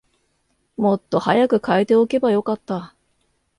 もっと早く替えておけばよかった